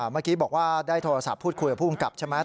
เมื่อกี้บอกว่าได้โทรศัพท์พูดคุยกับผู้กำกับใช่ไหม